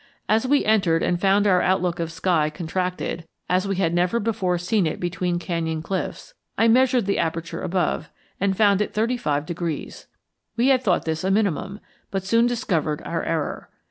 As we entered and found our outlook of sky contracted as we had never before seen it between canyon cliffs I measured the aperture above, and found it thirty five degrees. We had thought this a minimum, but soon discovered our error.